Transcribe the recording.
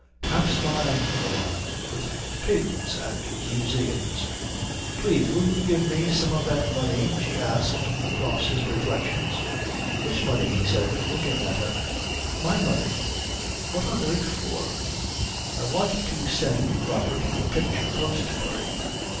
Perhaps Milan for a while, with pavements and museums. "Please, will you give me some of that money?" she asked across his reflections. "Which money?" he said, looking at her. "My money." "What on earth for?" "I want to send Robert a picture postcard."